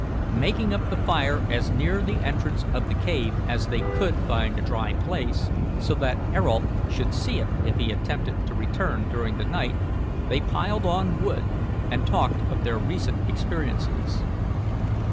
Making up the fire as near the entrance of the cave as they could find a dry place, so that Ayrault should see it if he attempted to return during the night, they piled on wood, and talked of their recent experiences.